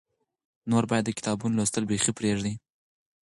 نور باید د کتابونو لوستل بیخي پرېږدې.